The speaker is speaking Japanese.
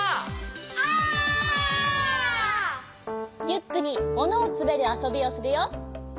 リュックにものをつめるあそびをするよ！